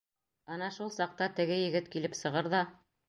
Ана шул саҡта теге егет килеп сығыр ҙа: